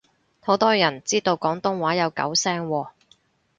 好多人知道廣東話有九聲喎